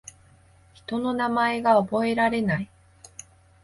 人の名前が覚えられない